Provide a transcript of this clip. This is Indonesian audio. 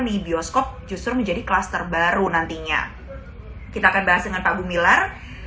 nih bioskop justru menjadi kluster baru nantinya kita akan bahas dengan pak gumilar